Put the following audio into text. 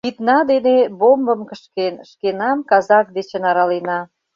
Кидна дене бомбым кышкен, шкенам казак дечын аралена.